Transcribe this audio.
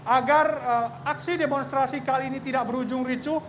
agar aksi demonstrasi kali ini tidak berujung ricu